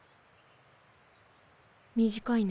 短いね。